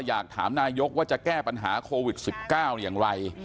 อยากถามนายกว่าจะแก้ปัญหาโควิด๑๙อย่างไร